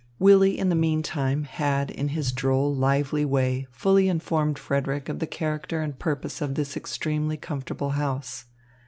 Willy in the meantime had in his droll, lively way fully informed Frederick of the character and purpose of this extremely comfortable house.